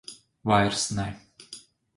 Vairs ne.